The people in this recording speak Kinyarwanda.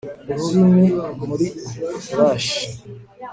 Ururimi muri farashi